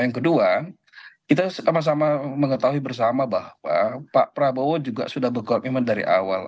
yang kedua kita sama sama mengetahui bersama bahwa pak prabowo juga sudah berkomitmen dari awal